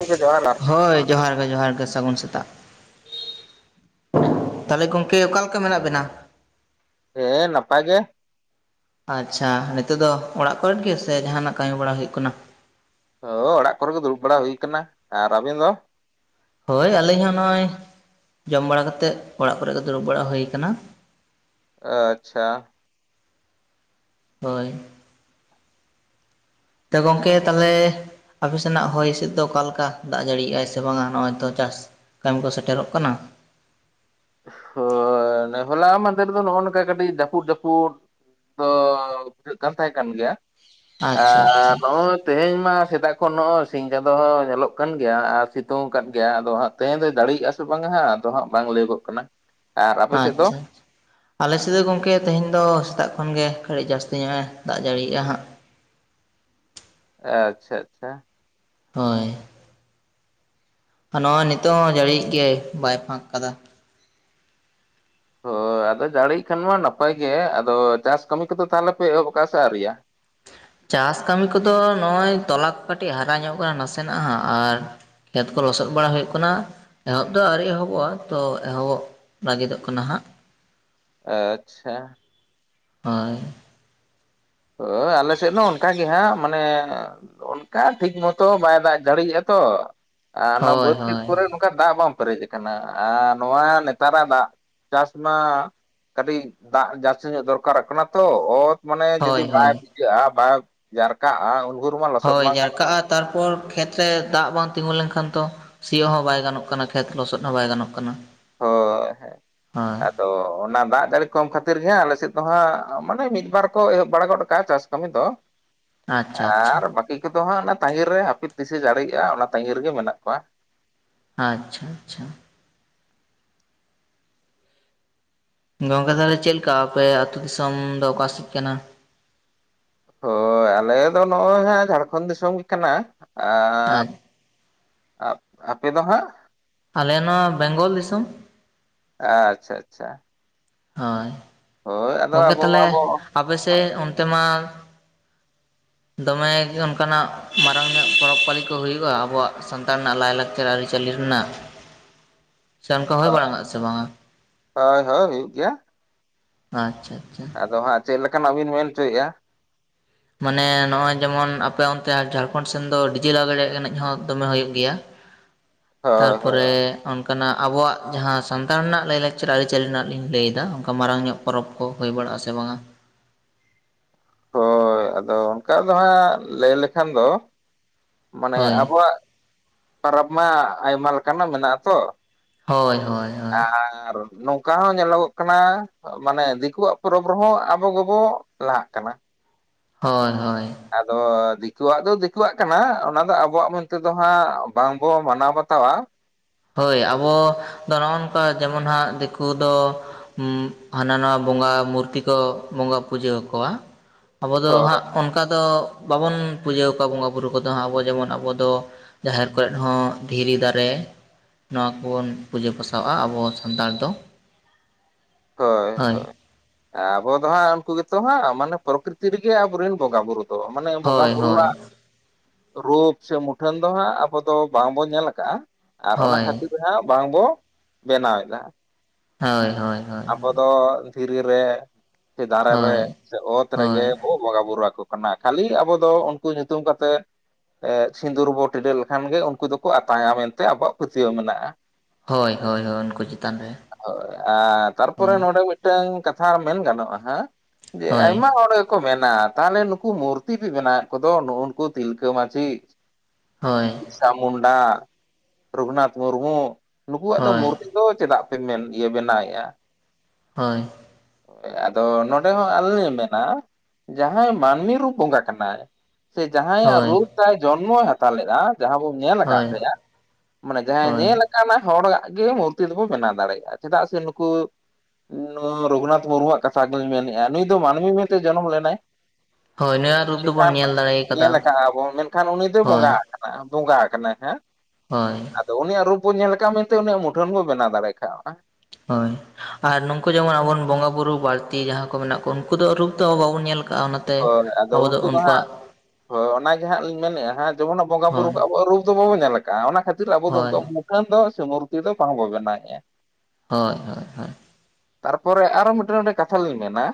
ᱜᱚᱝᱠᱮ, ᱡᱚᱦᱟᱨ ᱜᱟᱨ᱾ ᱦᱳᱭ, ᱡᱚᱦᱟᱨ ᱜᱮ, ᱡᱚᱦᱟᱨ ᱜᱮ ᱥᱟᱹᱜᱩᱱ ᱥᱮᱛᱟᱜ᱾ ᱛᱟᱞᱮ ᱜᱚᱝᱠᱮ, ᱚᱠᱟ ᱞᱮᱠᱟ ᱢᱮᱱᱟᱜ ᱵᱮᱱᱟ? ᱦᱮᱸᱻ, ᱱᱟᱯᱟᱭ ᱜᱮ᱾ ᱟᱪᱪᱷᱟ, ᱱᱤᱛᱚᱜ ᱫᱚ ᱚᱲᱟᱜ ᱠᱚᱨᱮᱫ ᱜᱮ ᱥᱮ ᱡᱟᱦᱟᱱᱟᱜ ᱠᱟᱹᱢᱤ ᱵᱟᱲᱟ ᱦᱩᱭᱩᱜ ᱠᱟᱱᱟ? ᱦᱳᱻ, ᱚᱲᱟᱜ ᱠᱚᱨᱮ ᱜᱮ ᱫᱩᱲᱩᱵ ᱵᱟᱲᱟ ᱦᱩᱭ ᱠᱟᱱᱟ ᱟᱨ ᱟᱵᱤᱱ ᱫᱚ? ᱦᱳᱭᱻ, ᱟᱹᱞᱤᱧ ᱦᱚᱸ ᱱᱚᱜᱼᱚᱭ ᱡᱚᱢ ᱵᱟᱲᱟ ᱠᱟᱛᱮᱜ, ᱚᱲᱟᱜ ᱠᱚᱨᱮ ᱜᱮ ᱫᱩᱲᱩᱵ ᱵᱟᱲᱟ ᱦᱩᱭ ᱠᱟᱱᱟ᱾ ᱟᱹᱪᱪᱷᱟ᱾ ᱦᱳᱭ᱾ ᱛᱚ ᱜᱚᱝᱠᱮ ᱛᱟᱞᱮ ᱟᱯᱮ ᱥᱮᱱᱟᱜ ᱦᱚᱭ ᱥᱤᱜ ᱫᱚ ᱚᱠᱟ ᱞᱮᱠᱟ, ᱫᱟᱜ ᱡᱟᱹᱲᱤ ᱭᱮ ᱟᱭ ᱥᱮ ᱵᱟᱝᱟ? ᱱᱚᱜᱼᱚᱭ ᱛᱚ ᱪᱟᱥ ᱠᱟᱹᱢᱤ ᱠᱚ ᱥᱮᱴᱮᱨᱚᱜ ᱠᱟᱱᱟ! ᱦᱳᱣ, ᱱᱮ ᱦᱚᱞᱟ ᱢᱟᱸᱫᱷᱮᱨ ᱫᱚ ᱱᱚᱜᱼᱚ ᱱᱚᱝᱠᱟ ᱠᱟᱹᱴᱤᱜ ᱡᱟᱯᱩᱫ-ᱡᱟᱯᱩᱫ᱾ ᱫᱚ ᱵᱩᱡᱷᱟᱹᱜ ᱠᱟᱱ, ᱛᱟᱦᱮ ᱠᱟᱱ ᱜᱮᱭᱟ ᱟ ᱟᱪᱪᱷᱟ ᱟᱪᱪᱷᱟ ᱱᱚᱜᱼᱚ ᱛᱮᱦᱮᱧ ᱢᱟ ᱥᱮᱛᱟᱜ ᱠᱷᱚᱱ ᱱᱚᱜᱼᱚ ᱥᱤᱧ ᱪᱟᱸᱫᱚ ᱦᱚ ᱧᱮᱞᱚᱜ ᱠᱟᱱ ᱜᱮᱭᱟ ᱟ ᱥᱤᱛᱩᱝ ᱠᱟᱫ ᱜᱮᱭᱟ᱾ ᱟᱫᱚ ᱦᱟᱸᱜ ᱛᱮᱦᱮᱧ ᱫᱚᱭ ᱫᱟᱹᱲᱤ ᱭᱮᱜᱼᱟ ᱥᱮ ᱵᱟᱝᱟ ᱦᱟᱸᱜ, ᱟᱫᱚ ᱦᱟᱸᱜ ᱵᱟᱝ ᱞᱟᱹᱭᱚᱜᱚᱜ ᱠᱟᱱᱟ! ᱟᱨ ᱟᱯᱮ ᱥᱮᱫ ᱫᱚ ᱟᱪᱪᱷᱟ! ᱟᱞᱮᱥᱮ ᱫᱚ ᱜᱚᱝᱠᱮ, ᱛᱮᱦᱮᱧ ᱫᱚ ᱥᱮᱛᱟᱜ ᱠᱷᱚᱱ ᱜᱮ ᱠᱷᱟᱹᱲᱤᱜ ᱡᱟᱹᱥᱛᱤ ᱧᱚᱜᱼᱮ ᱫᱟᱜ ᱡᱟᱹᱲᱤᱭᱮᱜᱼᱟ, ᱦᱟᱸᱜ᱾ ᱟᱪᱪᱷᱟ-ᱪᱷᱟ᱾ ᱦᱳᱭ᱾ ᱟ ᱱᱚᱜᱼᱚᱭ ᱱᱤᱛᱚᱜ ᱚᱸ ᱡᱟᱲᱤᱭᱮᱜ ᱜᱮᱭᱟᱭ, ᱵᱟᱭ ᱯᱷᱟᱸᱠ ᱠᱟᱫᱟ᱾ ᱦᱳ, ᱟᱫᱚ ᱡᱟᱹᱲᱤᱭᱮᱜ ᱠᱷᱟᱱ ᱢᱟ ᱱᱟᱯᱟᱭ ᱜᱮᱻ, ᱟᱫᱚ ᱪᱟᱥ ᱠᱟᱹᱢᱤ ᱠᱚᱫᱚ ᱛᱷᱟᱞᱮ ᱯᱮ ᱮᱦᱚᱵ ᱠᱟᱜᱼᱟ ᱥᱮ ᱟᱣᱨᱤ ᱭᱟᱦ? ᱪᱟᱥ ᱠᱟᱹᱢᱤ ᱠᱚᱫᱚ ᱱᱚᱜᱼᱚᱭ, ᱛᱚᱞᱟ ᱠᱚ ᱠᱟᱹᱴᱤᱡ ᱦᱟᱨᱟ ᱧᱚᱜ ᱠᱟᱱᱟ᱾ ᱱᱟᱥᱮᱱᱟᱜ ᱦᱟᱸᱜ ᱟᱨ ᱠᱷᱮᱛ ᱠᱚ ᱞᱚᱥᱚᱜ ᱵᱟᱲᱟ ᱦᱳᱭᱳᱜ ᱠᱟᱱᱟ᱾ ᱮᱦᱚᱵ ᱫᱚ ᱟᱣᱨᱤ ᱮᱦᱚᱵᱚᱜᱼᱟ, ᱛᱚ ᱮᱦᱚᱵᱚᱜ ᱞᱟᱹᱜᱤᱫᱚᱜ ᱠᱟᱱᱟ ᱦᱟᱸᱜ᱾ ᱟᱪᱪᱷᱟ᱾ ᱦᱳᱭ᱾ ᱦᱳ, ᱟᱞᱮ ᱥᱮᱫ ᱦᱚᱸ ᱚᱱᱠᱟ ᱜᱮ ᱦᱟᱸᱜ, ᱢᱟᱱᱮ ᱚᱱᱠᱟ ᱴᱷᱤᱠ ᱢᱚᱛᱚ ᱵᱟᱭ ᱫᱟᱜ ᱡᱟᱹᱲᱤᱭᱮᱜᱼᱟ, ᱛᱚ ᱟ ᱚᱱᱟ ᱦᱳᱭ ᱵᱟᱹᱫᱽ ᱠᱷᱮᱛ ᱦᱳᱭ ᱠᱚᱨᱮ ᱱᱚ ᱠᱟ ᱫᱟᱜ ᱵᱟᱢ ᱯᱮᱨᱮᱡ ᱠᱟᱱᱟ ᱟᱨ ᱱᱚᱣᱟ, ᱱᱮᱛᱟᱨᱟᱜ ᱫᱟᱜ ᱪᱟᱥ ᱢᱟ ᱠᱟᱹᱴᱤᱜ ᱫᱟᱜ ᱡᱟᱥᱥᱤ ᱧᱚᱜ ᱫᱚᱨᱠᱟᱨᱚᱜ ᱠᱟᱱᱟ ᱛᱚᱻ᱾ ᱚᱛ ᱢᱟᱱᱮ ᱦᱳᱭ ᱫᱤ ᱵᱟᱭ ᱦᱳᱭ ᱵᱩᱡᱟᱹᱜᱼᱟ, ᱵᱟᱣ ᱡᱟᱨᱠᱟᱼᱟ, ᱦᱳᱭ, ᱡᱟᱨᱠᱟᱜᱼᱟ᱾ ᱛᱟᱨᱯᱚᱨ ᱠᱷᱮᱛ ᱨᱮ ᱫᱟᱜ ᱵᱟᱝ ᱛᱤᱸᱜᱩ ᱞᱮᱸᱠᱷᱟᱱ ᱛᱚ! ᱥᱤᱭᱚᱜ ᱦᱚᱸ ᱵᱟᱭ ᱜᱟᱱᱚᱜ ᱠᱟᱱᱟ, ᱠᱷᱮᱛ ᱞᱚᱥᱚᱫ ᱦᱚᱸ ᱵᱟᱭ ᱜᱟᱱᱚᱜ ᱠᱟᱱᱟ! ᱦᱳ, ᱦᱮᱸ, ᱦᱳᱭ ᱟᱫᱚ ᱚᱱᱟ ᱫᱟᱜ ᱡᱟᱲᱤ ᱠᱚᱢ ᱠᱷᱟᱹᱛᱤᱨ ᱜᱮ ᱦᱟᱸᱜ, ᱟᱞᱮᱥᱮᱫ ᱫᱚ ᱦᱟᱸᱜ ᱢᱟᱱᱮ ᱢᱤᱫ, ᱵᱟᱨ ᱠᱚ ᱮᱦᱚᱵ ᱵᱟᱲᱟ ᱜᱚᱫ ᱠᱟᱜᱼᱟ, ᱪᱟᱥ ᱠᱟᱹᱢᱤ ᱫᱚ᱾ ᱟᱪᱪᱷᱟ ᱟᱪᱪᱷᱟ ᱟᱨ ᱵᱟᱹᱠᱤ ᱠᱚᱫᱚ ᱦᱟᱸᱜ ᱱᱟ ᱛᱟᱸᱜᱤ ᱨᱮ, ᱦᱟᱯᱤ ᱛᱤᱥᱮ ᱡᱟᱲᱤᱭᱮᱜᱼᱟ, ᱚᱱᱟ ᱛᱟᱸᱜᱤ ᱨᱮᱜᱮ ᱢᱮᱱᱟᱜ ᱠᱚᱣᱟ᱾ ᱟᱪᱪᱷᱟ-ᱪᱷᱟ! ᱜᱚᱝᱠᱮ, ᱛᱷᱟᱞᱮ ᱪᱮᱞᱠᱟ ᱟᱯᱮ ᱟᱛᱩ ᱫᱤᱥᱚᱢ ᱫᱚ, ᱚᱠᱟ ᱥᱮᱡ ᱠᱟᱱᱟ? ᱦᱳᱭ, ᱟᱞᱮ ᱫᱚ ᱱᱚᱜᱼᱚᱭ ᱦᱟᱸᱜ 'ᱡᱷᱟᱲᱠᱷᱚᱱ' ᱫᱤᱥᱚᱢ ᱜᱮ ᱠᱟᱱᱟ ᱟᱨ ᱟᱯ ᱟᱯᱮ ᱫᱚ ᱦᱟᱸᱜ? ᱟᱞᱮ ᱱᱚ 'ᱵᱮᱝᱜᱚᱞ ᱫᱤᱥᱚᱢ'᱾ ᱟᱪᱪᱷᱟ-ᱪᱷᱟ᱾ ᱦᱳᱭ ᱟᱫᱚ ᱜᱚᱢᱠᱮ ᱟᱵᱚ ᱛᱟᱦᱞᱮ ᱢᱟᱵᱚ ᱟᱯᱮᱥᱮᱫ ᱚᱱᱛᱮ ᱢᱟ ᱫᱚᱢᱮᱜᱮ ᱚᱱᱠᱟᱱᱟᱜ ᱢᱟᱨᱟᱝ ᱧᱚᱜ ᱯᱚᱨᱚᱵᱽ ᱯᱟᱹᱞᱤ ᱠᱚ ᱦᱩᱭᱩᱜᱼᱟ, ᱟᱵᱚᱣᱟᱜ ᱥᱟᱱᱛᱟᱲ ᱨᱮᱱᱟᱜ ᱞᱟᱭ ᱞᱟᱠᱪᱟᱨ ᱟᱹᱨᱤ ᱪᱟᱹᱞᱤ ᱨᱮᱱᱟᱜ ᱾ ᱦᱳᱭ ᱵᱟᱝᱟ ᱦᱳᱭ ᱦᱩᱭᱩᱜ ᱜᱮᱭᱟ ᱾ ᱟᱪᱪᱷᱟ ᱟᱪᱪᱷᱟ ᱾ ᱟᱫᱚ ᱦᱟᱸᱜ ᱪᱮᱫ ᱞᱮᱠᱟᱱᱟᱜ ᱵᱤᱱ ᱢᱮᱱ ᱦᱚᱪᱚᱭᱮᱜᱼᱟ᱾ ᱢᱟᱱᱮ ᱱᱚᱜᱼᱚᱭ ᱡᱮᱢᱚᱱ ᱟᱯᱮ ᱚᱱᱛᱮ ᱡᱷᱟᱲᱠᱷᱚᱱᱰ ᱥᱮᱱ ᱫᱚ ᱰᱤᱡᱮ ᱞᱟᱜᱟᱲ ᱮᱱᱮᱡ ᱦᱚᱸ ᱫᱚᱢᱮ ᱦᱩᱭᱩᱜ ᱜᱮᱭᱟ ᱾ [inaudible] ᱦᱳᱭ ᱛᱟᱨᱯᱚᱨᱮ ᱚᱱᱠᱟᱱᱟᱜ ᱟᱵᱚᱣᱟᱜ ᱡᱟᱦᱟᱸ ᱥᱟᱱᱛᱟᱲ ᱨᱮᱱᱟᱜ ᱞᱟᱹᱭ ᱞᱟᱠᱪᱟᱨ ᱟᱹᱨᱤᱪᱟᱹᱞᱤ ᱨᱮᱱᱟᱜ ᱞᱤᱧ ᱞᱟᱹᱭᱮᱫᱟ ᱚᱱᱠᱟ ᱢᱟᱨᱟᱝ ᱧᱚᱜ ᱯᱚᱨᱚᱵᱽ ᱠᱚ ᱦᱩᱭ ᱵᱟᱲᱟᱜᱼᱟ ᱥᱮ ᱵᱟᱝᱟ? ᱦᱳᱭ ᱟᱫᱚ ᱚᱱᱠᱟ ᱫᱚ ᱦᱟᱸᱜ ᱞᱟᱹᱭ ᱞᱮᱠᱷᱟᱱ ᱫᱚ ᱢᱟᱱᱮ ᱦᱳᱭ ᱟᱵᱚᱣᱟᱜ ᱯᱟᱨᱚᱵᱽ ᱢᱟ ᱟᱭᱢᱟ ᱞᱮᱠᱟᱱᱟᱜ ᱢᱮᱱᱟᱜᱼᱟ ᱛᱚ ᱦᱳᱭ ᱦᱳᱭ ᱦᱳᱭ ᱟᱨ ᱱᱚᱝᱠᱟ ᱦᱚᱸ ᱧᱮᱞᱚᱜᱚᱜ ᱠᱟᱱᱟ ᱢᱟᱱᱮ ᱫᱤᱠᱩᱣᱟᱜ ᱯᱚᱨᱚᱵᱽ ᱨᱮᱦᱚᱸ ᱟᱵᱚ ᱜᱮᱵᱚ ᱞᱟᱦᱟᱜ ᱠᱟᱱᱟ᱾ ᱦᱳᱭ ᱦᱳᱭ ᱾ ᱟᱫᱚ ᱫᱤᱠᱩᱣᱟᱜ ᱫᱚ ᱫᱤᱠᱩᱣᱟᱜ ᱠᱟᱱᱟ ᱚᱱᱟ ᱫᱚ ᱟᱵᱚᱣᱟᱜ ᱢᱮᱱᱛᱮ ᱫᱚ ᱦᱟᱸᱜ ᱵᱟᱝᱵᱚ ᱢᱟᱱᱟᱣ ᱵᱟᱛᱟᱣᱟ᱾ ᱦᱳᱭ ᱟᱵᱚ ᱫᱚ ᱱᱚᱜᱼᱚ ᱱᱚᱝᱠᱟ ᱡᱮᱢᱚᱱ ᱦᱟᱸᱜ ᱫᱤᱠᱩ ᱫᱚ ᱦᱟᱱᱟ ᱱᱚᱣᱟ ᱵᱚᱸᱜᱟ ᱢᱩᱨᱛᱤ ᱠᱚ ᱵᱚᱸᱜᱟ ᱯᱩᱡᱟᱹ ᱟᱠᱚᱣᱟ ᱾ ᱟᱵᱚᱫ ᱫᱚ ᱦᱳᱭ ᱦᱟᱸᱜ ᱚᱱᱠᱟ ᱫᱚ ᱵᱟᱵᱚᱱ ᱯᱩᱡᱟᱹᱣ ᱠᱚᱣᱟ ᱵᱚᱸᱜᱟᱼ ᱵᱩᱨᱩ ᱠᱚᱫᱚ ᱦᱟᱸᱜ ᱟᱵᱚ ᱡᱮᱢᱚᱱ ᱟᱵᱚ ᱫᱚ ᱡᱟᱦᱮᱨ ᱠᱚᱨᱮ ᱦᱚᱸ ᱫᱷᱤᱨᱤ ᱫᱟᱨᱮ᱾ ᱱᱚᱣᱟ ᱠᱚᱵᱚᱱ ᱯᱩᱡᱟᱹ ᱯᱟᱥᱟᱣᱼᱟ ᱟᱵᱚ ᱥᱟᱱᱛᱟᱲ ᱫᱚ ᱾ ᱦᱳᱭ ᱦᱳᱭ ᱟᱵᱚ ᱫᱚ ᱦᱟᱸᱜ ᱩᱱᱠᱩ ᱜᱮᱛᱚ ᱦᱟᱸᱜ ᱢᱟᱱᱮ ᱯᱨᱚᱠᱨᱤᱛᱤᱤ ᱨᱮᱜᱮ ᱟᱵᱚᱨᱮᱱ ᱵᱚᱸᱜᱟ ᱵᱩᱨᱩ ᱾ ᱛᱚ ᱢᱟᱱᱮ ᱵᱚᱸᱜᱟ ᱦᱳᱭ ᱦᱳᱭ ᱵᱩᱨᱩᱣᱟᱜ ᱨᱩᱯ ᱥᱮ ᱢᱩᱴᱷᱟᱹᱱ ᱫᱚ ᱦᱟᱸᱜ ᱟᱵᱚ ᱫᱚ ᱵᱟᱝᱵᱚᱱ ᱧᱮᱞ ᱟᱠᱟᱜᱼᱟ᱾ ᱟᱨ ᱚᱱᱟ ᱦᱳᱭ ᱠᱷᱟᱹᱛᱤᱨ ᱦᱟᱸᱜ ᱵᱟᱝ ᱵᱚ ᱵᱮᱱᱟᱣᱮᱫᱟ᱾ ᱦᱳᱭ ᱦᱳᱭ᱾ ᱦᱳᱭ ᱟᱵᱚ ᱫᱚ ᱫᱷᱤᱨᱤ ᱨᱮ ᱥᱮ ᱫᱟᱨᱮ ᱨᱮ ᱦᱳᱭ ᱥᱮ ᱚᱛ ᱦᱳᱭ ᱨᱮᱜᱮ ᱵ ᱵᱚᱸᱜᱟᱼ ᱵᱳᱩᱨᱩ ᱟᱠᱚ ᱠᱟᱱᱟ ᱠᱷᱟᱹᱞᱤ ᱟᱵᱚ ᱫᱚ ᱩᱱᱠᱩ ᱧᱩᱛᱩᱢ ᱠᱟᱛᱮᱫ ᱥᱤᱸᱫᱩᱨ ᱵᱚ ᱴᱤᱰᱟᱹ ᱞᱮᱠᱷᱟᱱ ᱜᱮ ᱩᱱᱠᱩ ᱫᱚᱠᱚ ᱟᱛᱟᱝᱟ ᱢᱮᱱᱛᱮ ᱟᱵᱚᱣᱟᱜ ᱯᱟᱹᱛᱭᱟᱹᱣ ᱢᱮᱱᱟᱜᱼᱟ ᱾ ᱦᱳᱭ ᱦᱳᱭ ᱦᱳᱭ ᱩᱱᱠᱩ ᱪᱮᱛᱟᱱ ᱨᱮ ᱦᱳᱭ ᱟᱨ ᱾ ᱛᱟᱨᱯᱚᱨᱮ ᱱᱚᱰᱮ ᱢᱤᱫᱴᱟᱝ ᱠᱟᱛᱷᱟ ᱢᱮᱱ ᱜᱟᱱᱚᱜᱼᱟ ᱡᱮ ᱦᱳᱭ ᱟᱭᱢᱟ ᱦᱚᱲ ᱠᱚ ᱢᱮᱱᱟ ᱛᱟᱦᱚᱞᱮ ᱱᱩᱠᱩ ᱢᱩᱨᱛᱤ ᱵᱮᱱᱟᱜ ᱠᱚᱫᱚ ᱱᱩᱜᱼᱩ ᱱᱩᱠᱩ ᱛᱤᱞᱠᱟᱹ ᱢᱟᱹᱡᱷᱤ ᱦᱳᱭ ᱥᱟ ᱢᱩᱱᱰᱟ ᱨᱚᱜᱷᱩᱱᱟᱛᱷ ᱢᱩᱨᱢᱩ ᱱᱩᱠᱩᱣᱟᱜ ᱫᱚ ᱦᱳᱭ ᱢᱩᱨᱛᱤ ᱫᱚ ᱪᱮᱫᱟᱜ ᱯᱮ ᱢᱮᱱ ᱤᱭᱟᱹ ᱵᱮᱱᱟᱣᱮᱫᱼᱟ? ᱦᱳᱭ᱾ ᱟᱫᱚ ᱱᱚᱸᱰᱮ ᱦᱚᱸ ᱟᱞ ᱞᱮ ᱢᱮᱱᱟ ᱡᱟᱦᱟᱸᱭ ᱢᱟᱹᱱᱢᱤ ᱨᱩᱯ ᱵᱚᱸᱜᱟ ᱠᱟᱱᱟᱭ ᱥᱮ ᱡᱟᱦᱟᱸᱭᱟᱜ ᱦᱳᱭ ᱨᱩᱯ ᱛᱟᱭ ᱡᱚᱱᱢᱚᱭ ᱦᱟᱛᱟᱣ ᱞᱮᱜᱼᱟ᱾ ᱡᱟᱦᱟᱸ ᱵᱚᱱ ᱧᱮᱞ ᱟᱠᱟᱫ ᱦᱳᱭ ᱛᱟᱭᱟ, ᱢᱟᱱᱮ ᱡᱟᱦᱟᱸ ᱦᱳᱭ ᱧᱮᱞ ᱦᱚᱲᱟᱜ ᱜᱮ ᱢᱩᱨᱛᱤ ᱫᱚᱵᱚᱱ ᱵᱮᱱᱟᱣ ᱫᱟᱲᱮᱭᱟᱜᱼᱟ ᱪᱮᱫᱟᱜ ᱥᱮ ᱱᱩᱠᱩ ᱱᱚᱣᱟ ᱨᱚᱜᱷᱩᱱᱟᱛᱷ ᱢᱩᱨᱢᱩᱣᱟᱜ ᱠᱟᱛᱷᱟ ᱜᱮᱧ ᱢᱮᱱᱮᱫᱼᱟ ᱱᱩᱭ ᱫᱚ ᱢᱟᱹᱱᱢᱤ ᱢᱮᱱᱛᱮ ᱡᱚᱱᱚᱢ ᱞᱮᱱᱟᱭ᱾ ᱦᱳᱭ ᱱᱩᱭᱟᱜ ᱨᱩᱯ ᱫᱚᱵᱚᱱ ᱪᱠᱷᱟᱱ ᱧᱮᱞ ᱫᱟᱲᱮ ᱠᱟᱫᱟ ᱧᱮᱞᱟᱠᱟᱜᱼᱟ ᱵᱚᱱ ᱢᱮᱱᱠᱷᱟᱱ ᱩᱱᱤ ᱫᱚ ᱦᱳᱭ ᱵᱚᱸᱜᱟᱜ᱾ ᱠᱟᱱᱟ ᱵᱚᱸᱜᱟ ᱟᱠᱟᱱᱟ ᱦᱟᱜ ᱾ ᱦᱳᱭ᱾ ᱟᱫᱚ ᱩᱱᱤᱭᱟᱜ ᱨᱩᱯ ᱵᱚᱱ ᱧᱮᱞ ᱠᱫ ᱢᱮᱱᱛᱮ ᱩᱱᱤᱭᱟᱜ ᱢᱩᱴᱷᱟᱹᱱ ᱵᱚᱱ ᱵᱮᱱᱟᱣ ᱫᱟᱲᱮ ᱠᱟᱜᱼᱟ᱾ ᱦᱳᱭ᱾ ᱟᱨ ᱱᱩᱠᱩ ᱡᱮᱢᱚᱱ ᱟᱵᱚ ᱵᱚᱸᱜᱟᱼ ᱵᱩᱨᱩ ᱵᱟᱹᱲᱛᱤ ᱡᱟᱦᱟᱸᱭ ᱠᱚ ᱢᱮᱱᱟᱜ ᱠᱚᱣᱟ ᱩᱱᱠᱩ ᱫᱚ ᱨᱩᱯ ᱫᱚ ᱵᱟᱵᱚᱱ ᱧᱮᱞ ᱠᱟᱜᱼᱟ ᱚᱱᱟ᱾ ᱦᱳᱭ ᱟᱫᱚ ᱩᱱᱠᱩ ᱫᱚ ᱦᱟᱸᱜ ᱦᱳᱭ ᱚᱱᱟ ᱜᱮ ᱦᱟᱸᱜ ᱞᱤᱧ ᱢᱮᱱᱮᱫᱼᱟ ᱦᱟᱸᱜ ᱡᱮᱢᱚᱱ ᱵᱚᱸᱜᱟ ᱵᱩᱨᱩ ᱦᱳᱭ ᱠᱚ ᱟᱵᱚ ᱟᱜ ᱨᱩᱯ᱾ ᱟᱵᱚ ᱫᱚ ᱵᱟᱵᱚᱱ ᱧᱮᱞ ᱠᱟᱜᱼᱟ ᱚᱱᱟ ᱠᱷᱟᱹᱛᱤᱨ ᱟᱵᱚ ᱫᱚ ᱦᱳᱭ ᱩᱱᱠᱩᱣᱟᱜ ᱢᱩᱠᱷᱟᱹᱱ ᱫᱚ ᱥᱮ ᱢᱩᱨᱛᱤ ᱫᱚ ᱵᱟᱝ ᱵᱚ ᱵᱮᱱᱟᱣᱮᱫᱼᱟ᱾ ᱦᱳᱭ ᱦᱳᱭ ᱦᱳᱭ᱾ ᱛᱟᱨ ᱯᱚᱨᱮ ᱟᱨ ᱦᱚ ᱢᱤᱫᱴᱮᱱ ᱠᱟᱛᱷᱟ ᱞᱤᱧ ᱢᱮᱱᱟ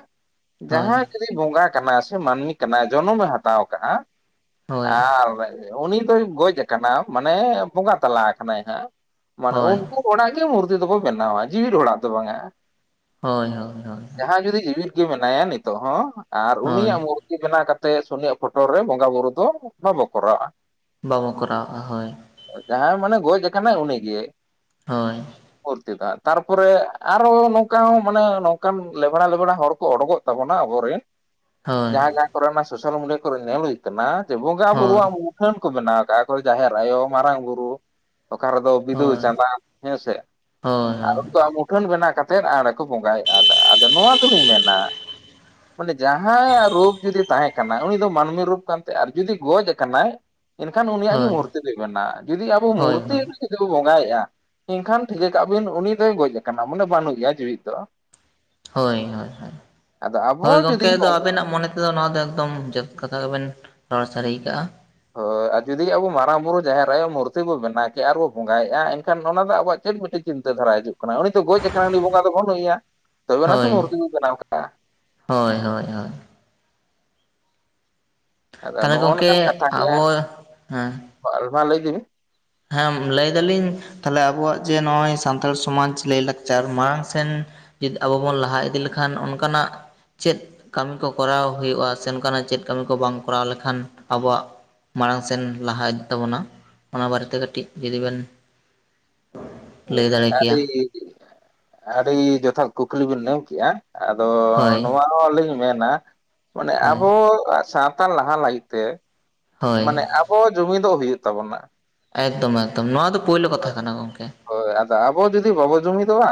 ᱦᱳᱭ ᱡᱟᱦᱟᱸᱭ ᱡᱩᱫᱤ ᱵᱚᱸᱜᱟ᱾ ᱠᱟᱱᱟᱭ ᱥᱮ ᱢᱟᱹᱱᱢᱤ ᱠᱟᱱᱟᱭ ᱡᱚᱱᱚᱢ ᱮ ᱦᱟᱛᱟᱣ ᱠᱟᱜᱼᱟ ᱦᱳᱭ ᱟᱨ᱾ ᱩᱱᱤ ᱫᱚᱭ ᱜᱚᱡ ᱟᱠᱟᱱᱟ ᱢᱟᱱᱮ ᱵᱚᱸᱜᱟ ᱛᱟᱞᱟ ᱟᱠᱟᱱᱟᱭ ᱦᱟᱸᱜ᱾ ᱢᱟᱱᱮ ᱩᱱᱠᱩ ᱦᱚᱲᱟᱜ ᱜᱮ ᱢᱩᱨᱛᱤ ᱫᱚᱵᱚ ᱵᱮᱱᱟᱣᱟ ᱡᱤᱣᱤᱫ ᱦᱚᱲᱟᱜ ᱫᱚ ᱵᱟᱝᱼᱟ᱾ ᱦᱳᱭ ᱦᱳᱭ ᱦᱳᱭ ᱡᱟᱦᱟᱸᱭ ᱡᱩᱫᱤ ᱡᱤᱣᱮᱫ ᱜᱮ ᱢᱮᱱᱟᱭᱟ ᱱᱤᱛᱟᱹᱜ ᱦᱚᱸ ᱟᱨ ᱦᱳᱭ ᱩᱱᱤᱭᱟᱜ ᱢᱩᱨ᱾ [unintelligible] ᱵᱮᱱᱟᱣ ᱠᱟᱛᱮᱫ ᱥᱩᱱᱤᱭᱟᱜ ᱯᱷᱚᱴᱚ ᱨᱮ ᱵᱚᱸᱜᱟ ᱵᱩᱨᱩ ᱫᱚ ᱵᱟᱵᱚ ᱠᱚᱨᱟᱣᱟ᱾ ᱵᱟᱵᱚ ᱠᱚᱨᱟᱣᱟᱜ-ᱟ ᱦᱳᱭ᱾ ᱡᱟᱦᱟᱸᱭ ᱢᱟᱱᱮ ᱜᱚᱡ ᱟᱠᱟᱱᱟᱭ ᱩᱱᱤ ᱜᱮ᱾ ᱦᱳᱭ᱾ [unintelligible] ᱛᱟᱨ ᱯᱚᱨᱮ ᱟᱨᱦᱚ ᱱᱚᱝᱠᱟ ᱦᱚᱸ ᱢᱟᱱᱮ ᱱᱚᱝᱠᱟᱱ ᱞᱮᱸᱵᱲᱟ ᱞᱮᱸᱵᱲᱟ ᱦᱚᱲ ᱠᱚ ᱚᱰᱳᱠᱚᱜ᱾ ᱛᱟᱵᱚᱱᱟ ᱟᱵᱚ ᱨᱮᱱ᱾ ᱦᱳᱭ ᱡᱟᱦᱟᱸ ᱡᱟᱦᱟᱸ ᱠᱚᱨᱮ ᱚᱱᱟ ᱥᱳᱥᱟᱞ ᱢᱤᱰᱤᱭᱟ ᱠᱚᱨᱮ ᱧᱮᱞ ᱦᱩᱭᱩᱜ ᱠᱟᱱᱟ ᱡᱮ ᱵᱚᱸᱜᱟ ᱦᱳᱭ ᱵᱩᱨᱩᱣᱟᱜ ᱢᱩ᱾ ᱢᱩᱴᱷᱟᱹᱱ ᱠᱚ ᱵᱮᱱᱟᱣ ᱠᱟᱜ-ᱟ ᱟᱠᱚ ᱡᱟᱦᱮᱨ ᱟᱭᱳ ᱢᱟᱨᱟᱝ ᱵᱩᱨᱩ᱾ ᱚᱠᱟ ᱨᱮᱫᱚ ᱵᱤᱫᱩ ᱦᱳᱭ ᱪᱟᱸᱫᱟᱱ ᱦᱮᱥᱮ ᱦᱳᱭ ᱟᱨ ᱦᱳᱭ ᱩᱱᱠᱩᱣᱟᱜ᱾ ᱢᱩᱴᱷᱟᱹᱱ ᱵᱮᱱᱟ ᱠᱟᱛᱮᱜ ᱟᱨᱚ ᱠᱚ ᱵᱚᱸᱜᱟᱭᱮᱫᱼᱟ ᱟᱫᱚ ᱟᱫᱚ ᱱᱚᱣᱟ ᱫᱚᱞᱤᱧ ᱢᱮᱱᱟ᱾ ᱩᱱᱤ ᱡᱟᱦᱟᱭ‌ ᱨᱩᱯ ᱡᱩᱫᱤ ᱛᱟᱦᱮᱸ ᱠᱟᱱᱟ ᱩᱱᱤ ᱫᱚ ᱢᱟᱹᱱᱢᱤ ᱨᱩᱯ ᱠᱟᱱ ᱛᱮ ᱟᱨ ᱡᱩᱫᱤ ᱜᱚᱡ ᱟᱠᱟᱱᱟᱭ᱾ ᱮᱱᱠᱷᱟᱱ ᱩᱱᱤᱭᱟᱜ ᱜᱮ ᱦᱳᱭ ᱢᱩᱨᱛᱤ ᱫᱚᱭ ᱵᱮᱱᱟᱜᱼᱟ ᱡᱩᱫᱤ ᱟᱵᱚ ᱦᱳᱭ ᱢᱩᱨᱛᱤ ᱡᱩᱫᱤ ᱵᱚᱱ ᱵᱚᱸᱜᱟᱭᱮᱜᱼᱟ᱾ ᱮᱱᱠᱷᱟᱱ ᱴᱷᱤᱠᱟᱹ ᱠᱟᱜ ᱵᱤᱱ ᱩᱱᱤ ᱫᱚᱭ ᱜᱚᱡ ᱟᱠᱟᱱᱟ ᱢᱟᱱᱮ ᱵᱟᱹᱱᱩᱜ ᱮᱭᱟ ᱡᱤᱣᱤᱫ ᱫᱚ᱾ ᱦᱳᱭ ᱦᱳᱭ ᱦᱳᱭ ᱟᱫᱚ ᱟᱵᱚ ᱦᱳᱭ ᱡᱩᱫᱤ ᱜᱚᱝᱠᱮ ᱟᱫᱚ ᱦᱳᱭ ᱟᱵᱤᱱᱟᱜ᱾ ᱢᱚᱱᱮ ᱛᱮᱫᱚ ᱱᱚᱣᱟ ᱫᱚ ᱮᱠᱫᱚᱢ ᱡᱚᱥ ᱠᱟᱛᱷᱟ ᱜᱮᱵᱮᱱ ᱨᱚᱲ ᱥᱟᱹᱨᱤ ᱠᱟᱜ-ᱟ᱾ ᱦᱳᱭ ᱟᱨ ᱡᱩᱫᱤ ᱟᱵᱚ ᱢᱟᱨᱟᱝ ᱵᱩᱨᱩ ᱡᱟᱦᱮᱨ ᱟᱭᱳ ᱢᱩᱨᱛᱤ ᱵᱚ ᱵᱮᱱᱟᱣ ᱠᱮᱭᱟ ᱟᱨᱵᱚ ᱵᱚᱸᱜᱟᱭᱮᱜ-ᱟ ᱮᱱᱠᱷᱟᱱ ᱚᱱᱟ ᱨᱮᱱᱟᱜ ᱟᱵᱚᱣᱟᱜ ᱪᱮᱫ ᱢᱤᱫᱴᱤᱡ᱾ ᱪᱤᱱᱛᱟᱹ ᱫᱷᱟᱨᱟ ᱦᱤᱡᱩᱜ ᱠᱟᱱᱟ ᱩᱱᱤ ᱛᱚ ᱜᱚᱡ ᱟᱠᱟᱱ ᱩᱱᱤ ᱵᱚᱸᱜᱟ ᱫᱚ ᱵᱟᱹᱱᱩᱜ ᱮᱭᱟ ᱛᱚᱵᱮ ᱱᱟᱛᱚ ᱦᱳᱭ ᱢᱩᱨᱛᱤ ᱵᱚ ᱵᱮᱱᱟᱣ ᱠᱟᱜ᱾ ᱦᱳᱭ ᱦᱳᱭ ᱦᱳᱭ᱾ ᱟᱫᱚ ᱛᱟᱦᱚᱞᱮ ᱱᱚᱜ-ᱚ ᱱᱚᱝᱠᱟᱱ ᱠᱟᱛᱷᱟ ᱜᱚᱝᱠᱮ ᱜᱮ ᱟᱵᱚ ᱦᱮᱸ ᱦᱟᱸᱜ ᱢᱟ ᱞᱟᱹᱭ ᱤᱫᱤ ᱵᱤᱱ᱾ ᱦᱮᱸ ᱞᱟᱹᱭ ᱫᱟᱞᱤᱧ ᱛᱟᱦᱟᱞᱮ ᱵᱚᱣᱟᱜ ᱡᱮ ᱱᱚᱜ-ᱚᱭ ᱥᱟᱱᱛᱟᱲ ᱥᱚᱢᱟᱡᱽ ᱞᱟᱹᱭ ᱞᱟᱠᱪᱟᱨ ᱢᱟᱲᱟᱝ ᱥᱮᱱ᱾ ᱡᱩᱫᱤ ᱟᱵᱚ ᱵᱚᱱ ᱞᱟᱦᱟ ᱤᱫᱤ ᱞᱮᱠᱷᱟᱱ ᱚᱱᱠᱟ ᱱᱟᱜ᱾ ᱪᱮᱫ ᱠᱟᱢᱤ ᱠᱚ ᱠᱚᱨᱟᱣ ᱦᱩᱭᱩᱜᱼᱟ ᱥᱮ ᱚᱱᱠᱟ ᱱᱟᱜ ᱪᱮᱫ ᱠᱟᱢᱤ ᱠᱚ ᱵᱟᱝ ᱠᱚᱨᱟᱣ ᱞᱮᱠᱷᱟᱱ ᱟᱵᱚᱣᱟᱜ᱾ ᱢᱟᱲᱟᱝ ᱥᱮᱱ ᱞᱟᱦᱟ ᱤᱫᱤᱜ ᱛᱟᱵᱚᱱᱟ ᱚᱱᱟ ᱵᱟᱨᱮᱛᱮ ᱠᱟᱹᱴᱤᱡ ᱡᱩᱫᱤ ᱵᱮᱱ᱾ ᱞᱟᱹᱭ ᱫᱟᱲᱮ ᱟᱰᱤ ᱠᱮᱭᱟ ᱟᱰᱤ ᱡᱚᱛᱷᱟᱛ ᱠᱩᱠᱞᱤ ᱵᱮᱱ ᱢᱮᱱ ᱠᱮᱜ-ᱟ᱾ ᱟᱫᱚ ᱦᱳᱭ ᱱᱚᱣᱟ ᱦᱚᱸᱞᱤᱧ ᱢᱮᱱᱟ ᱢᱟᱱᱮ ᱦᱳᱭ ᱟᱵᱚᱣᱟᱜ ᱥᱟᱛ᱾ [unintelligible] ᱞᱟᱦᱟ ᱞᱟᱜᱤᱫ ᱛᱮ ᱦᱳᱭ ᱢᱟᱱᱮ ᱟᱵᱚ ᱡᱩᱢᱤᱫᱚᱜ ᱦᱩᱭᱩᱜ ᱛᱟᱵᱚᱱᱟ᱾ ᱮᱠᱫᱚᱢ ᱮᱠᱫᱚᱢ ᱱᱚᱣᱟ ᱫᱚ ᱯᱳᱭᱞᱳ ᱠᱟᱛᱷᱟ ᱠᱟᱱᱟ ᱜᱚᱝᱠᱮ᱾ ᱦᱳᱭ ᱟᱫᱚ ᱟᱵᱚ ᱡᱩᱫᱤ ᱵᱟᱵᱚ ᱡᱩᱢᱤᱫᱚᱜ-ᱟ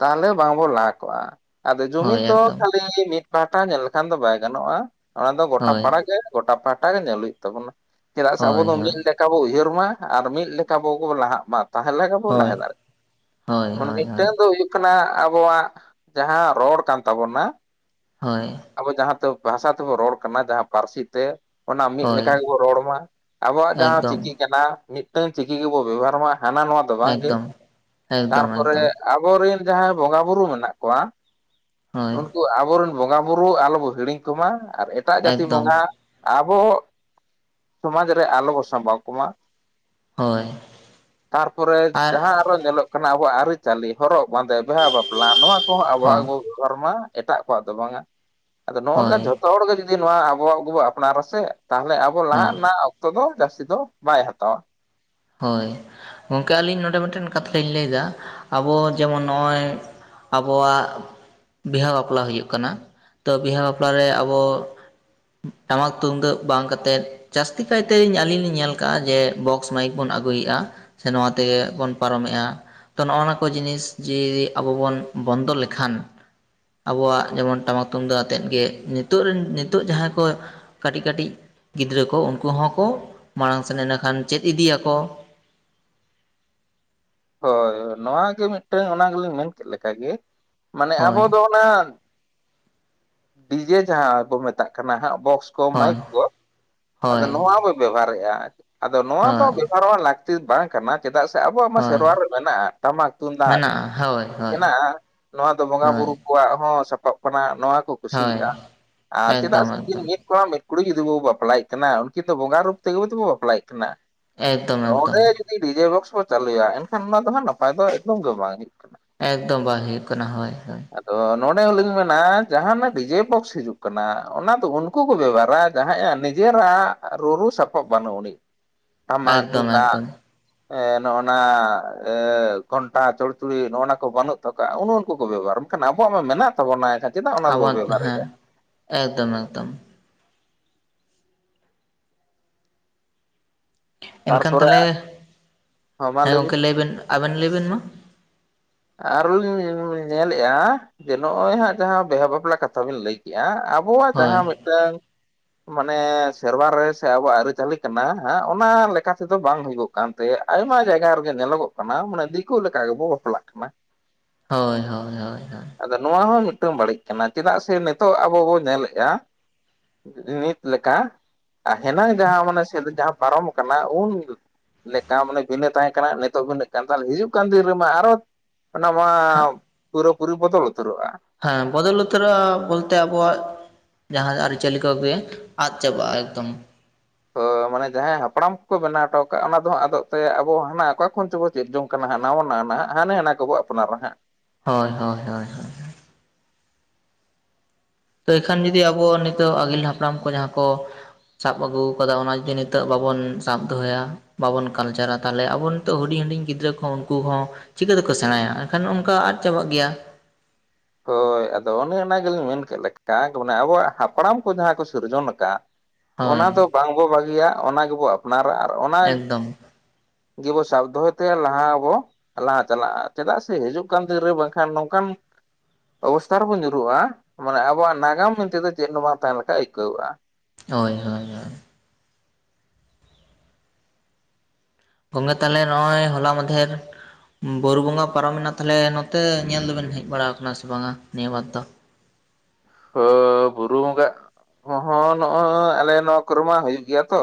ᱛᱟᱞᱦᱮ ᱵᱟᱵᱚ ᱞᱟᱦᱟ ᱠᱚᱜᱼᱟ᱾ ᱟᱫᱚ ᱡᱩᱢᱤᱫ ᱦᱳᱭ ᱫᱚ ᱮᱠᱫᱚᱢ ᱠᱷᱟᱞᱤ ᱢᱤᱫ ᱯᱟᱦᱴᱟ ᱧᱮᱞ ᱞᱮᱠᱷᱟᱱ ᱫᱚ ᱵᱟᱭ ᱜᱟᱱᱚᱜ-ᱟ ᱚᱱᱟ ᱫᱚ ᱜᱚᱴᱟ ᱦᱳᱭ ᱯᱟᱲᱟ ᱜᱮ᱾ ᱜᱚᱴᱟ ᱯᱟᱦᱴᱟ ᱜᱮ ᱧᱮᱞ ᱦᱩᱭᱩᱜ ᱛᱟᱵᱚᱱᱟ ᱪᱮᱫᱟᱜ ᱥᱮ ᱟᱵᱚ ᱦᱳᱭ ᱫᱚ ᱦᱳᱭ ᱢᱤᱫ ᱞᱮᱠᱟ ᱵᱚᱱ ᱩᱭᱦᱟᱹᱨ ᱢᱟ᱾ ᱟᱫᱚ ᱢᱤᱫ ᱞᱮᱠᱟ ᱵᱚᱜᱚ ᱞᱟᱦᱟᱜ ᱢᱟ ᱛᱟᱦᱞᱮ ᱜᱮ ᱢᱟ ᱦᱳᱭ ᱞᱟᱦᱟ ᱫᱟᱲᱮᱜ ᱦᱳᱭ ᱢᱟᱱᱮ ᱦᱳᱭ ᱦᱳᱭ ᱢᱤᱫᱴᱟᱝ ᱫᱚ ᱦᱩᱭᱩᱜ᱾ ᱠᱟᱱᱟ ᱟᱵᱚᱣᱟᱜ ᱡᱟᱦᱟᱸ ᱨᱚᱲ ᱠᱟᱱ ᱛᱟᱵᱚᱱᱟ᱾ ᱦᱳᱭ᱾ ᱟᱵᱚ ᱡᱟᱦᱟᱸᱛᱮ ᱵᱷᱟᱥᱟ ᱛᱮᱵᱚ ᱨᱚᱲ ᱠᱟᱱᱟ ᱡᱟᱦᱟᱸ ᱯᱟᱨᱥᱤ ᱛᱮ᱾ ᱚᱱᱟ ᱢᱤᱫ ᱞᱮᱠᱟ ᱦᱳᱭ ᱜᱮᱵᱚ ᱨᱚᱲ ᱢᱟ ᱟᱵᱚᱣᱟᱜ ᱡᱟᱦᱟᱸ ᱮᱠᱫᱚᱢ ᱪᱤᱠᱤ ᱠᱟᱱᱟ᱾ ᱢᱤᱫᱴᱟᱹᱝ ᱪᱤᱠᱤ ᱜᱮᱵᱚ ᱵᱮᱵᱚᱦᱟᱨ ᱢᱟ ᱦᱟᱱᱟ ᱱᱚᱣᱟ ᱫᱚ ᱵᱟᱝᱜᱮ ᱮᱠᱫᱚᱢ ᱛᱟᱨ ᱮᱠᱫᱚᱢ ᱯᱚᱨᱮᱼᱼ ᱮᱠᱫᱚᱢ ᱟᱵᱚᱨᱤᱱ ᱡᱟᱦᱟᱸᱭ ᱵᱚᱸᱜᱟ ᱵᱩᱨᱩ ᱢᱮᱱᱟᱜ ᱠᱚᱣᱟ ᱦᱳᱭ ᱩᱱᱠᱩᱼᱼ ᱟᱵᱚᱨᱤᱱ ᱵᱚᱸᱜᱟ ᱵᱩᱨᱩ ᱟᱞᱚᱵᱚ ᱦᱤᱲᱤᱧ ᱠᱚᱢᱟ ᱟᱨ ᱮᱴᱟᱜ ᱡᱟᱛᱤ ᱵᱚᱸᱜᱟᱼᱼ ᱮᱠᱫᱚᱢ ᱟᱵᱚ ᱥᱚᱢᱟᱡᱽ ᱨᱮ ᱟᱞᱚᱵᱚ ᱥᱟᱢᱵᱟᱣ ᱠᱚᱢᱟ᱾ ᱦᱳᱸᱭ ᱛᱟᱨᱯᱚᱨᱮ ᱡᱟᱦᱟᱸ ᱟᱨᱚ ᱧᱮᱞᱚᱜ ᱠᱟᱱᱟ ᱟᱵᱚᱣᱟᱜ ᱟᱹᱨᱤᱪᱟᱹᱞᱤ ᱦᱚᱨᱚᱜ ᱵᱟᱸᱫᱮ ᱵᱤᱦᱟ ᱵᱟᱯᱞᱟ ᱱᱚᱣᱟ᱾ [unintelligible] ᱟᱵᱚᱣᱟᱜ ᱦᱚᱸ ᱜᱮᱵᱚ ᱵᱮᱵᱚᱦᱟᱨ ᱢᱟ ᱮᱴᱟᱜ ᱠᱚᱣᱟᱜ ᱫᱚ ᱵᱟᱝᱟ ᱟᱫᱚ ᱱᱚᱜᱼᱚᱼᱼ ᱦᱳᱭ ᱡᱚᱛᱚ ᱦᱚᱲ ᱜᱮ ᱡᱩᱫᱤ ᱱᱚᱣᱟ ᱟᱵᱚᱣᱟᱜ ᱜᱮᱵᱚ ᱟᱯᱱᱟᱨᱟᱥᱮ ᱛᱟᱦᱚᱞᱮ ᱟᱵᱚ ᱦᱳᱭ ᱞᱟᱦᱟᱜ ᱨᱮᱱᱟᱜᱼᱼ ᱛᱮᱫᱚ ᱡᱟᱥᱛᱤ ᱫᱚ ᱵᱟᱭ ᱦᱟᱛᱟᱣᱟ ᱦᱳᱭ ᱜᱚᱝᱠᱮ ᱟᱹᱞᱤᱧ ᱱᱚᱰᱮ ᱢᱤᱫᱴᱟᱹᱱ ᱠᱟᱛᱷᱟ ᱞᱤᱧ ᱞᱟᱹᱭᱫᱟ ᱟᱵᱚ ᱡᱮᱢᱚᱱ ᱱᱚᱜᱼᱚᱭ ᱟᱵᱚᱣᱟᱜ ᱵᱤᱦᱟ ᱵᱟᱯᱞᱟ ᱦᱩᱭᱩᱜ ᱠᱟᱱᱟ ᱛᱚ ᱵᱤᱦᱟ ᱵᱟᱯᱞᱟ ᱨᱮ ᱟᱵᱚᱼᱼ ᱴᱟᱢᱟᱠ ᱛᱩᱢᱫᱟᱹᱜ ᱵᱟᱝ ᱠᱟᱛᱮᱫ ᱪᱟᱥᱛᱤ ᱠᱟᱭᱛᱮ ᱤᱧ ᱟᱞᱤᱧ ᱞᱤᱧ ᱧᱮᱞ ᱠᱟᱜ-ᱟ ᱡᱮ ᱵᱚᱠᱥᱼᱼ ᱢᱟᱭᱤᱠ ᱵᱚᱱ ᱟᱹᱜᱩᱭᱮᱜᱼᱟ ᱥᱮ ᱱᱚᱣᱟ ᱛᱮᱜ ᱵᱚᱱ ᱯᱟᱨᱚᱢᱮᱜᱼᱟ᱾ ᱛᱚ ᱱᱚᱜᱼᱱᱚᱣᱟ ᱠᱚ ᱡᱤᱱᱤᱥ ᱡᱤᱡᱮ ᱟᱵᱚ ᱵᱚᱱ ᱵᱚᱱᱫᱚ ᱞᱮᱠᱷᱟᱱ ᱟᱵᱚᱣᱟᱜ ᱡᱮᱢᱚᱱ ᱴᱟᱢᱟᱠ ᱛᱩᱢᱫᱟᱜ ᱟᱛᱮᱫ ᱜᱮ ᱱᱤᱛᱚᱜ ᱨᱤᱱ ᱱᱤᱛᱚᱜ ᱡᱟᱦᱟᱸᱭ ᱠᱚᱼᱼ ᱠᱟᱹᱴᱤᱡ ᱠᱟᱹᱴᱤᱡ ᱜᱤᱫᱽᱨᱟᱹ ᱠᱚ ᱩᱱᱠᱩ ᱦᱚᱸᱠᱚ ᱢᱟᱲᱟᱝ ᱥᱮᱱ ᱮᱸᱰᱮᱠᱷᱟᱱ ᱪᱮᱫ ᱤᱫᱤᱭᱟᱠᱚ᱾ ᱦᱳᱭ ᱱᱚᱣᱟ ᱜᱮ ᱢᱤᱫᱴᱟᱹᱝ ᱚᱱᱟ ᱜᱮᱞᱤᱧ ᱢᱮᱱ ᱠᱮᱫ ᱞᱮ ᱞᱮᱠᱟᱜᱮ ᱢᱟᱱᱮ ᱟᱵᱚ ᱦᱳᱭ ᱫᱚ ᱚᱱᱟ᱾ ᱰᱤᱡᱮ ᱡᱟᱦᱟᱸ ᱵᱚ ᱢᱮᱛᱟᱜ ᱠᱟᱱᱟ ᱦᱟᱸᱜ ᱵᱚᱠᱥ ᱠᱚ ᱦᱳᱭ ᱢᱟᱭᱤᱠ ᱠᱚ ᱟᱫᱚ ᱦᱳᱭ ᱱᱚᱣᱟ᱾ ᱵᱮᱣᱦᱟᱨᱮᱜᱼᱟ ᱟᱫᱚ ᱱᱚᱣᱟ ᱫᱚ ᱦᱳᱭ ᱵᱮᱣᱦᱟᱨᱚᱜᱼᱟ ᱞᱟᱹᱠᱛᱤ ᱵᱟᱝᱼᱼ ᱠᱟᱱᱟ ᱪᱮᱫᱟᱜ ᱥᱮ ᱟᱵᱚᱣᱟᱜ ᱢᱟ ᱦᱳᱭ ᱥᱮᱨᱣᱟ ᱨᱮ ᱢᱮᱱᱟᱜᱼᱟ ᱴᱟᱢᱟᱠ ᱛᱩᱢᱫᱟᱜ᱾ ᱢᱮᱱᱟᱜᱼᱟ ᱦᱳᱭ ᱦᱳᱭ ᱢᱮᱱᱟᱜᱼᱟ ᱱᱚᱣᱟ ᱫᱚ ᱵᱚᱸᱜᱟ ᱦᱳᱭ ᱵᱩᱨᱩ ᱠᱚᱣᱟᱜ ᱦᱚᱸ ᱥᱟᱯᱟᱵ ᱠᱟᱱᱟ ᱱᱚᱣᱟ ᱠᱚᱼᱼ ᱦᱳᱭ ᱠᱩᱥᱤᱭᱟᱜᱼᱟ ᱟᱨ ᱪᱮᱫᱟᱜ ᱮᱠᱫᱚᱢ ᱥᱮᱼᱼ ᱮᱠᱫᱚᱢ ᱢᱤᱫ ᱠᱚᱲᱟ ᱢᱤᱫ ᱠᱩᱲᱤ ᱡᱩᱫᱤ ᱵᱚ ᱵᱟᱯᱞᱟᱭᱮᱫ ᱠᱤᱱᱟ ᱩᱱᱠᱤᱱ ᱫᱚ ᱵᱚᱸᱜᱟ ᱨᱩᱯ ᱛᱮᱜᱮ ᱛᱚᱵᱚ ᱵᱟᱯᱞᱟᱭᱮᱫ ᱠᱤᱱᱟ᱾ ᱮᱠᱫᱚᱢ ᱮᱠᱫᱚᱢ ᱳᱰᱮᱸᱻ ᱰᱤᱡᱮ ᱵᱚᱠᱥ ᱵᱚ ᱪᱟᱹᱞᱩᱭᱟ ᱮᱱᱠᱷᱟᱱ ᱚᱱᱟ ᱫᱚ ᱦᱟᱸᱜ ᱱᱟᱯᱟᱭ ᱫᱚ ᱮᱠᱫᱚᱢ ᱜᱮ ᱵᱟᱝ ᱦᱩᱭᱩᱜ ᱠᱟᱱᱟ᱾ ᱮᱠᱫᱚᱢ ᱵᱟᱭ ᱦᱩᱭᱩᱜ ᱠᱟᱱᱟ ᱦᱳᱭ ᱦᱳᱭ ᱟᱫᱚ ᱱᱚᱰᱮ ᱦᱚᱸᱞᱤᱧ ᱢᱮᱱᱟ ᱡᱟᱦᱟᱱᱟᱜᱼᱼ ᱰᱤᱡᱮ ᱵᱚᱠᱥ ᱦᱤᱡᱩᱜ ᱠᱟᱱᱟ ᱚᱱᱟ ᱫᱚ ᱩᱱᱠᱩ ᱠᱚ ᱵᱮᱵᱷᱟᱨᱼᱟ ᱡᱟᱦᱟᱸᱭᱟᱜ ᱱᱤᱡᱮᱨᱟᱜ ᱨᱩᱨᱩ ᱥᱟᱯᱟᱵ ᱵᱟᱹᱱᱩᱜ ᱩᱱᱤᱡ᱾ ᱴᱟᱢᱟᱠ ᱮᱠᱫᱚᱢ ᱛᱩᱢᱫᱟᱜᱼᱼ ᱮᱠᱫᱚᱢ ᱱᱚᱜᱼᱱᱟ ᱜᱷᱚᱱᱴᱟ ᱪᱚᱲᱪᱩᱲᱤ ᱱᱚᱜᱼᱱᱟ ᱠᱚ ᱵᱟᱹᱱᱩᱜᱼᱼ ᱩᱱᱩ ᱩᱱᱠᱩ ᱠᱚ ᱵᱮᱵᱷᱟᱨᱼᱟ ᱢᱮᱱᱠᱷᱟᱱ ᱟᱵᱚᱣᱟᱜ ᱢᱟ ᱢᱮᱱᱟᱜ ᱛᱟᱵᱚᱱᱟ ᱮᱱᱠᱷᱟᱱ ᱪᱮᱫᱟᱜ ᱚᱱᱟ ᱫᱚᱼᱼ ᱟᱵᱚᱣᱟᱜ ᱦᱮᱸ ᱮᱠᱫᱚᱢ ᱮᱠᱫᱚᱢ ᱮᱱᱠᱷᱟᱱ ᱛᱟᱨᱯᱚᱨᱮ ᱛᱟᱦᱞᱮ ᱦᱚᱸ ᱢᱟ ᱦᱮᱸ ᱞᱟᱹᱭ ᱵᱤᱱ ᱜᱚᱝᱠᱮ ᱞᱟᱹᱭᱵᱮᱱ ᱟᱵᱮᱱ ᱞᱟᱹᱭᱵᱮᱱ ᱢᱟ? ᱟᱨ ᱞᱤᱧ ᱧᱮᱞᱮᱜᱼᱟ ᱡᱮ ᱱᱚᱜᱼᱚᱭ ᱦᱟᱸᱜ ᱡᱟᱦᱟᱸ ᱵᱤᱦᱟᱹ ᱵᱟᱯᱞᱟ ᱠᱟᱛᱷᱟ ᱵᱤᱱ ᱞᱟᱹᱭᱼᱼ ᱠᱮᱜᱼᱟ ᱟᱵᱚᱣᱟᱜ ᱦᱳᱭ ᱡᱟᱦᱟᱸ ᱢᱤᱫᱴᱟᱝ ᱢᱟᱱᱮ ᱥᱮᱨᱣᱟ ᱨᱮ ᱥᱮ ᱟᱵᱚᱣᱟᱜ ᱟᱹᱨᱤᱪᱟᱹᱞᱤ ᱠᱟᱱᱟ ᱚᱱᱟ ᱞᱮᱠᱟ ᱛᱮᱫᱚ ᱵᱟᱝ ᱦᱩᱭᱩᱜᱼᱼ ᱠᱟᱱᱛᱮ ᱟᱭᱢᱟ ᱡᱟᱭᱜᱟ ᱨᱮᱜᱮ ᱧᱮᱞᱚᱜᱚᱜ ᱠᱟᱱᱟ ᱢᱟᱱᱮ ᱫᱤᱠᱩ ᱞᱮᱠᱟ ᱜᱮᱵᱚ ᱵᱟᱯᱞᱟᱜ ᱠᱟᱱᱟ᱾ ᱦᱳᱭ ᱦᱳᱭ ᱦᱳᱭ ᱦᱳᱭ ᱟᱫᱚ ᱱᱚᱣᱟ ᱦᱚᱸ ᱢᱤᱫᱴᱟᱝ ᱵᱟᱹᱲᱤᱡ ᱠᱟᱱᱟ ᱪᱮᱫᱟᱜ ᱥᱮ ᱱᱤᱛᱚᱜ ᱟᱵᱚᱵᱚ ᱧᱮᱞᱮᱜᱼᱟ᱾ ᱱᱤᱛ ᱞᱮᱠᱟ ᱛᱟᱦᱮᱱᱟ ᱡᱟᱦᱟᱸ ᱢᱟᱱᱮ ᱡᱟᱦᱟᱸ ᱯᱟᱨᱚᱢ ᱠᱟᱱᱟ ᱩᱱᱼᱼ ᱢᱟᱱᱮ ᱵᱤᱱᱟᱹ ᱛᱟᱦᱮᱸ ᱠᱟᱱᱟ ᱱᱤᱛᱚᱜ ᱵᱤᱱᱟᱹᱜ ᱠᱟᱱ ᱛᱟᱦᱚᱞᱮ ᱦᱤᱡᱩᱜ ᱠᱟᱱ ᱫᱤᱱ ᱨᱮᱢᱟ ᱟᱨᱚᱼᱼ ᱚᱱᱟ ᱢᱟ ᱦᱟᱸᱜ ᱯᱩᱨᱟᱹᱯᱩᱨᱤ ᱵᱚᱫᱚᱞ ᱩᱛᱟᱹᱨᱚᱜᱼᱟ᱾ ᱦᱮᱸ ᱵᱚᱫᱚᱞ ᱩᱛᱟᱹᱨᱚᱜᱼᱟ ᱵᱚᱞᱛᱮ ᱟᱵᱚᱣᱟᱜᱼᱼ ᱡᱟᱦᱟᱸ ᱟᱹᱨᱤᱪᱟᱹᱞᱤ ᱠᱚ ᱜᱮ ᱟᱫ ᱪᱟᱵᱟᱜᱼᱟ ᱮᱠᱫᱚᱢ ᱢᱟᱱᱮ ᱡᱟᱦᱟᱸᱭ ᱦᱟᱯᱲᱟᱢ ᱠᱚᱠᱚ ᱵᱮᱱᱟᱣ ᱦᱚᱴᱚ ᱠᱟᱜ ᱚᱱᱟ ᱫᱚ ᱟᱫᱚᱜ ᱛᱟᱭᱟ ᱟᱵᱚ ᱦᱟᱱᱟ ᱚᱠᱟ ᱠᱷᱚᱱ ᱪᱚᱵᱚᱼᱼ ᱪᱮᱫ ᱡᱚᱝ ᱠᱟᱱᱟ ᱦᱟᱸᱜ ᱱᱟᱣᱟ ᱱᱟᱣᱟ ᱱᱟᱜ ᱦᱟᱱᱮ ᱦᱟᱱᱟ ᱠᱚᱵᱚ ᱟᱯᱱᱟᱨᱟ ᱱᱟᱦᱟᱸᱜ᱾ ᱦᱳᱭ ᱦᱚᱭ ᱦᱚᱭ ᱦᱚᱭ ᱛᱚ ᱮᱠᱷᱟᱱ ᱡᱩᱫᱤ ᱟᱵᱚ ᱱᱤᱛᱚᱜ ᱟᱹᱜᱤᱞ ᱦᱟᱯᱲᱟᱢ ᱠᱚ ᱡᱟᱦᱟᱸ ᱠᱚ ᱥᱟᱵ ᱟᱹᱜᱩᱣ ᱠᱟᱫᱟ ᱚᱱᱟ ᱡᱩᱫᱤ ᱱᱤᱛᱚᱜ ᱵᱟᱵᱚᱱ ᱥᱟᱵ ᱫᱚᱦᱚᱭᱟ ᱵᱟᱵᱚᱱ ᱠᱟᱞᱪᱟᱨᱟ ᱛᱟᱦᱚᱞᱮ ᱟᱵᱚᱱ ᱛᱳᱜ ᱦᱩᱰᱤᱧ ᱦᱩᱰᱤᱧ ᱜᱤᱫᱽᱨᱟᱹ ᱠᱚᱦᱚᱸ ᱩᱱᱠᱩ ᱦᱚᱸ ᱪᱤᱠᱟᱹ ᱛᱮᱠᱚ ᱥᱮᱬᱟᱭᱟ ᱮᱱᱠᱷᱟᱱ ᱚᱱᱠᱟ ᱟᱫ ᱪᱟᱵᱟᱜ ᱜᱮᱭᱟ᱾ ᱦᱳᱭ ᱟᱫᱚ ᱚᱱᱮ ᱚᱱᱟ ᱜᱮᱞᱤᱧ ᱢᱮᱱ ᱠᱮᱫ ᱞᱮᱠᱟ ᱢᱟᱱᱮ ᱟᱵᱚᱣᱟᱜ ᱦᱟᱯᱲᱟᱢ ᱠᱚ ᱡᱟᱦᱟᱸ ᱠᱚ ᱥᱤᱨᱡᱚᱱ ᱟᱠᱟᱜ ᱦᱳᱭ ᱚᱱᱟ ᱫᱚ ᱵᱟᱝᱵᱚ ᱵᱟᱹᱜᱤᱭᱟ ᱚᱱᱟ ᱜᱮᱵᱚ ᱟᱯᱱᱟᱨᱟ ᱟᱨ ᱚᱱᱟ ᱮᱠᱫᱚᱢ ᱜᱮᱵᱚ ᱥᱟᱵ ᱫᱚᱦᱚᱭ ᱛᱮ ᱞᱟᱦᱟᱜ ᱟᱵᱚ᱾ ᱞᱟᱦᱟ ᱪᱟᱞᱟᱜ-ᱟ ᱪᱮᱫᱟᱜ ᱥᱮ ᱦᱤᱡᱩᱜ ᱠᱟᱱ ᱫᱤᱱ ᱨᱮ ᱵᱟᱝᱠᱷᱟᱱ ᱱᱚᱝᱠᱟᱱ ᱚᱵᱚᱥᱛᱟ ᱨᱮᱵᱚ ᱧᱩᱨᱩᱜ-ᱟ ᱢᱟᱱᱮ ᱟᱵᱚᱣᱟᱜ ᱱᱟᱜᱟᱢ ᱢᱮᱱ ᱛᱮᱫᱚ ᱪᱮᱫ ᱦᱚᱸ ᱵᱟᱝ ᱛᱟᱦᱮᱸ ᱞᱮᱠᱟ ᱟᱹᱭᱠᱟᱹᱣᱚᱜ-ᱟ᱾ ᱦᱳᱭ ᱦᱳᱭ ᱦᱳᱭ ᱜᱚᱝᱠᱮ ᱛᱟᱦᱞᱮ ᱱᱚᱜ-ᱚᱭ ᱦᱚᱞᱟ ᱢᱟᱫᱷᱮᱨ ᱵᱩᱨᱩ ᱵᱚᱸᱜᱟ ᱯᱟᱨᱚᱢ ᱮᱱᱟ ᱛᱟᱦᱞᱮ ᱱᱚᱛᱮ ᱧᱮᱞ ᱫᱚᱵᱮᱱ ᱦᱮᱡ ᱵᱟᱲᱟᱣ ᱠᱟᱱᱟ ᱥᱮ ᱵᱟᱝᱟ ᱱᱤᱭᱟᱹ ᱵᱟᱨ ᱫᱚ? ᱦᱳ ᱵᱩᱨᱩ ᱵᱚᱸᱜᱟ ᱠᱚᱦᱚᱸ ᱱᱚᱜ-ᱚᱭ ᱟᱞᱮ ᱱᱚᱣᱟ ᱠᱚᱨᱮᱢᱟ ᱦᱩᱭᱩᱜ ᱜᱮᱭᱟ ᱛᱚ᱾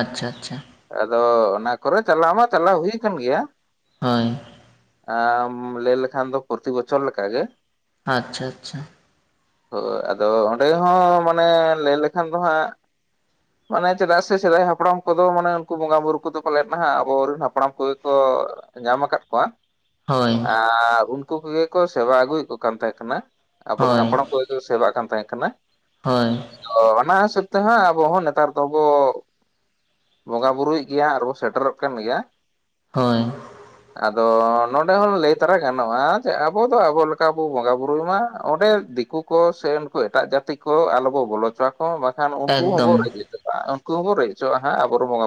ᱟᱪᱪᱷᱟ ᱟᱪᱪᱷᱟ ᱟᱫᱚ ᱚᱱᱟ ᱠᱚᱨᱮ ᱪᱟᱞᱟᱣ ᱢᱟ ᱪᱟᱞᱟᱣ ᱦᱩᱭ ᱠᱟᱱ ᱜᱮᱭᱟ᱾ ᱦᱳᱭ ᱟᱢ ᱞᱟᱹᱭ ᱞᱮᱠᱷᱟᱱ ᱫᱚ ᱯᱨᱚᱛᱤ ᱵᱚᱪᱷᱚᱨ ᱞᱮᱠᱟ ᱜᱮ, ᱟᱪᱪᱷᱟ ᱟᱪᱪᱷᱟ ᱦᱳ ᱟᱫᱚ ᱚᱸᱰᱮ ᱦᱚᱸ ᱢᱟᱱᱮ ᱞᱟᱹᱭ ᱞᱮᱠᱷᱟᱱ ᱫᱚ ᱦᱟᱸᱜ ᱢᱟᱱᱮ ᱪᱮᱫᱟᱜ ᱥᱮ ᱥᱮᱫᱟᱭ ᱦᱟᱯᱲᱟᱢ ᱠᱚ ᱫᱚ ᱢᱟᱱᱮ ᱩᱱᱠᱩ ᱵᱚᱸᱜᱟ ᱵᱩᱨᱩ ᱠᱚᱫᱚ ᱯᱟᱞᱮᱫ ᱱᱦᱟᱜ ᱟᱵᱚᱨᱤᱱ ᱦᱟᱯᱲᱟᱢ ᱠᱚᱜᱮ ᱠᱚ ᱧᱟᱢ ᱟᱠᱟᱫ ᱠᱚᱣᱟ, ᱦᱳᱭ ᱟᱸᱻ ᱩᱱᱠᱩ ᱠᱚᱜᱮ ᱠᱚ ᱥᱮᱵᱟ ᱟᱹᱜᱩᱭᱮᱜ ᱠᱚ ᱠᱟᱱ ᱛᱟᱦᱮᱸ ᱠᱟᱱᱟ ᱟᱵᱚᱨᱮᱱ ᱦᱳᱭ ᱦᱟᱯᱲᱟᱢ ᱠᱚ ᱛᱩ ᱥᱮᱵᱟᱜ ᱠᱟᱱ ᱛᱟᱦᱮᱸ ᱠᱟᱱᱟ᱾ ᱦᱳᱭ ᱚ ᱚᱱᱟ ᱦᱤᱥᱟᱹᱵ ᱛᱮᱦᱟᱸᱜ ᱟᱵᱚ ᱦᱚᱸ ᱱᱮᱛᱟᱨ ᱫᱚᱵᱚ, ᱵᱚᱸᱜᱟ ᱵᱩᱨᱩᱭᱮᱜ ᱜᱮᱭᱟ ᱟᱨ ᱵᱚ ᱥᱮᱴᱮᱨᱚᱜ ᱠᱟᱱ ᱜᱮᱭᱟ᱾ ᱦᱳᱭ [inaudible] ᱟᱫᱚ ᱱᱚᱰᱮ ᱦᱚᱸ ᱞᱟᱹᱭ ᱛᱚᱨᱟ ᱜᱟᱱᱚᱜ-ᱟ ᱡᱮ ᱟᱵᱚ ᱫᱚ ᱟᱵᱚ ᱞᱮᱠᱟ ᱵᱚ ᱵᱚᱸᱜᱟ ᱵᱩᱨᱩᱭ ᱢᱟ ᱚᱸᱰᱮ ᱫᱤᱠᱩ ᱠᱚ ᱥᱮ ᱩᱱᱠᱩ ᱮᱴᱟᱜ ᱡᱟᱹᱛᱤ ᱠᱚ ᱟᱞᱚᱵᱚ ᱵᱚᱞᱚ ᱦᱚᱪᱚᱣᱟᱠ ᱦᱚᱸᱸᱵᱟᱠᱷᱟᱱ ᱩᱝᱠᱩ ᱦᱚᱸᱵᱚ ᱮᱠᱫᱚᱢ ᱨᱮᱡ ᱦᱚᱪᱚᱜ ᱟᱜ ᱩᱱᱠᱩ ᱦᱚᱸᱵᱚ ᱨᱮᱡᱦᱚᱪᱚᱜ-ᱟ ᱟᱵᱚ ᱨᱮ ᱵᱚᱸᱜᱟ ᱵᱩᱨᱩ